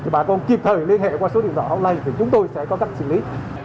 bà con kịp thời liên hệ qua số điện thoại hôm nay thì chúng tôi sẽ có cách xử lý